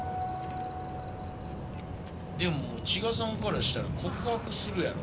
でも千賀さんからしたら告白するやろ。